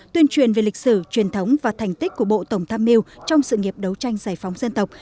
tuyên truyền về lịch sử truyền thống và thành tích của bộ tổng tham mưu trong sự nghiệp đấu tranh giải phóng dân tộc